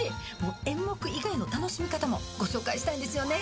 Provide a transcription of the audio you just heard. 演目以外の楽しみ方もご紹介したいんですよね。